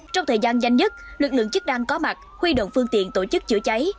trong thời gian nhanh nhất lực lượng chức đang có mặt huy động phương tiện tổ chức chữa cháy